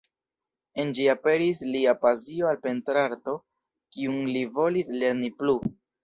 En ĝi aperis lia pasio al pentrarto, kiun li volis lerni plu.